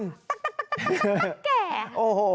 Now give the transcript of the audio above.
ตั๊กแก่